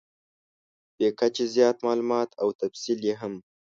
بې کچې زیات مالومات او تفصیل یې هم .